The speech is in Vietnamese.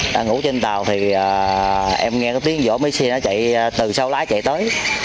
đang ngủ trên tàu thì em nghe tiếng vỗ máy xe nó chạy từ sau lái chạy tới